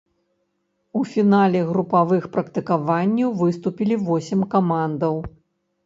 У фінале групавых практыкаванняў выступілі восем камандаў.